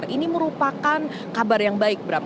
ini merupakan kabar yang baik bram